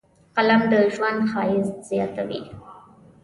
قلم د ژوند ښایست زیاتوي